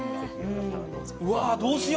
うわ、どうしよ。